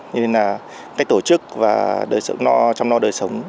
nên là cách tổ chức và chăm lo đời sống